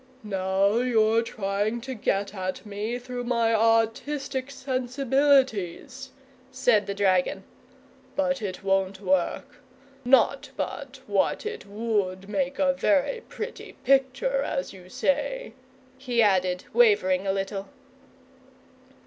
"Now you're trying to get at me through my artistic sensibilities," said the dragon. "But it won't work. Not but what it would make a very pretty picture, as you say," he added, wavering a little.